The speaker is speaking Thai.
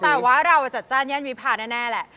แต่ว่าเราจัดจ้านย่านวิพาแน่แหละ